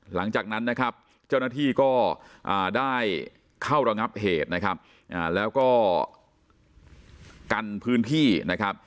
หลังจากนั้นนะครับเจ้าหน้าที่ก็ได้เข้าระงับเหตุนะครับแล้วก็กันพื้นที่นะครับ